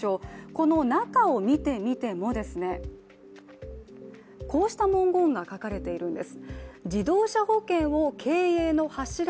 この中を見てみても、こうした文言が書かれているんです。